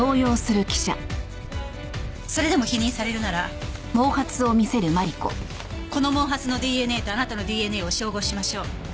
それでも否認されるならこの毛髪のＤＮＡとあなたのＤＮＡを照合しましょう。